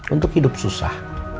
untuk hidup susah